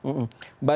itu sih mbak